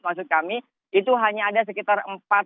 maksud kami itu hanya ada sekitar